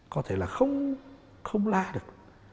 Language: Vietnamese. có thể là không la được